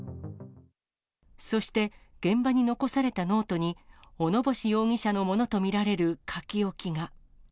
そして、現場に残されたノートに、小野星容疑者のものと見られる書き置きが。